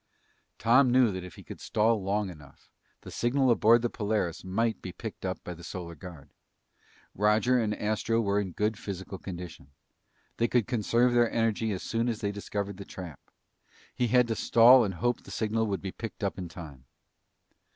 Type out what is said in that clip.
Tom knew that if he could stall long enough, the signal aboard the Polaris might be picked up by the Solar Guard. Roger and Astro were in good physical condition. They could conserve their energy as soon as they discovered the trap. He had to stall and hope the signal would be picked up in time.